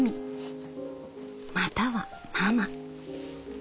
またはママ」。